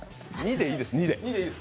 ２でいいです、２で。